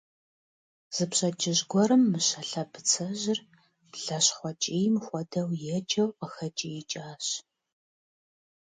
Зы пщэдджыжь гуэрым Мыщэ лъэбыцэжьыр, блащхъуэ кӀийм хуэдэу еджэу къыхэкӀиикӀащ.